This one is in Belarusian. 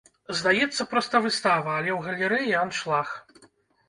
Здаецца, проста выстава, але ў галерэі аншлаг.